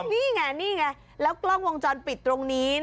นี่ไงนี่ไงแล้วกล้องวงจรปิดตรงนี้